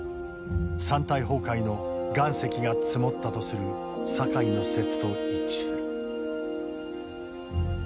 山体崩壊の岩石が積もったとする酒井の説と一致。